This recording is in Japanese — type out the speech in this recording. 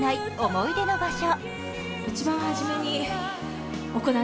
思い出の場所。